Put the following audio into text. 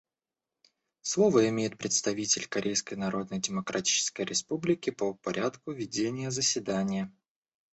Слово имеет представитель Корейской Народно-Демократической Республики по порядку ведения заседания.